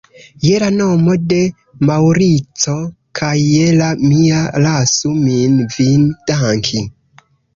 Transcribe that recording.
Je la nomo de Maŭrico kaj je la mia, lasu min vin danki.